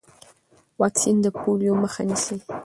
واکسین د پولیو مخه نیسي۔